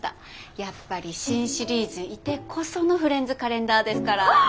やっぱり新シリーズいてこそのフレンズカレンダーですから。